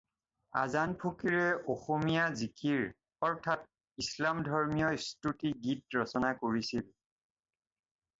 আজান ফকীৰে অসমীয়া জিকিৰ অৰ্থাৎ ইছলাম ধৰ্মীয় স্তুতি গীত ৰচনা কৰিছিল।